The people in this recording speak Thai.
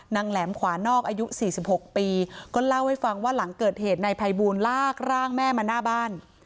แหลมขวานอกอายุ๔๖ปีก็เล่าให้ฟังว่าหลังเกิดเหตุนายภัยบูลลากร่างแม่มาหน้าบ้าน